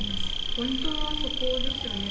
ポイントはそこですよね。